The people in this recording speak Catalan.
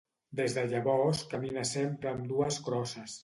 Des de llavors caminà sempre amb dues crosses.